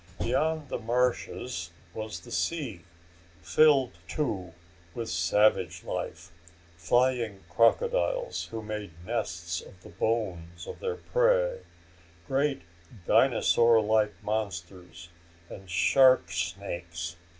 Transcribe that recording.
Beyond the marshes was the sea filled, too, with savage life, flying crocodiles who made nests of the bones of their prey, great dinosaur like monsters and shark snakes.